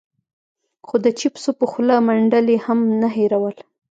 خو د چېپسو په خوله منډل يې هم نه هېرول.